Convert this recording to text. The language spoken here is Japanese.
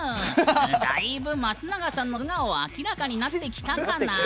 だいぶ松永さんの素顔明らかになってきたかな？